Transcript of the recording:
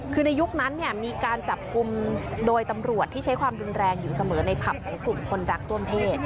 คือในยุคนั้นมีการจับกลุ่มโดยตำรวจที่ใช้ความรุนแรงอยู่เสมอในผับของกลุ่มคนรักร่วมเพศ